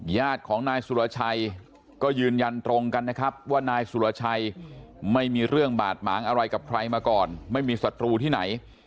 ญาติของนายสุรชัยก็ยืนยันตรงกันนะครับว่านายสุรชัยไม่มีเรื่องบาดหมางอะไรกับใครมาก่อนไม่มีศัตรูที่ไหน